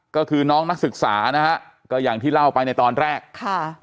ก็คือน้องนักศึกษานะฮะก็อย่างที่เล่าไปในตอนแรกค่ะ